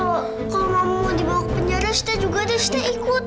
pak kalau mau dibawa ke penjara kita juga harus ikut